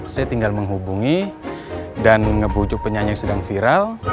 saya tinggal menghubungi dan ngebujuk penyanyi yang sedang viral